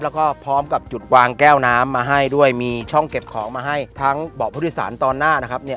แล้วก็พร้อมกับจุดวางแก้วน้ำมาให้ด้วยมีช่องเก็บของมาให้ทั้งเบาะผู้โดยสารตอนหน้านะครับเนี่ย